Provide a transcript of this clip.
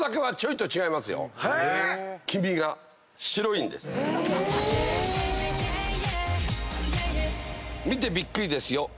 へっ⁉見てびっくりですよ。